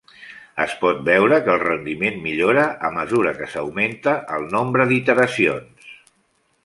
Es pot veure que el rendiment millora a mesura que s'augmenta el nombre d'iteracions.